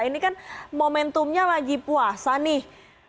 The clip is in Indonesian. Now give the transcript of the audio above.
ini kan momentumnya lagi puasa nih